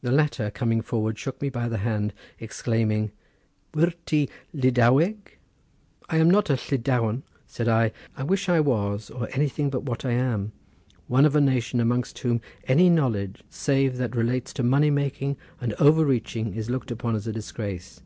The latter coming forward shook me by the hand exclaiming: "Wyt ti Lydaueg?" "I am not a Llydauan," said I; "I wish I was, or anything but what I am, one of a nation amongst whom any knowledge save what relates to money making and over reaching is looked upon as a disgrace.